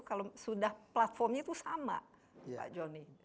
kalau sudah platformnya itu sama pak joni